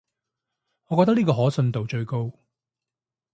我覺得呢個可信度最高